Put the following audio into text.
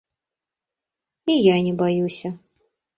І я не баюся.